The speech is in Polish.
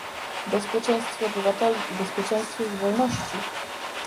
bezpieczeństwie obywateli i bezpieczeństwie ich wolności